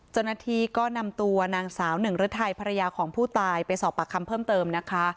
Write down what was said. เจ้าหน้าที่ก็นำตัวนางสาวหนึ่งฤทัยภรรยาของผู้ตายไปสอบปากคำเพิ่มเติมนะคะ